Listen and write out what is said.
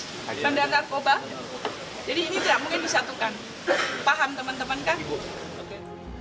pendana narkoba jadi ini tidak mungkin disatukan paham teman teman kan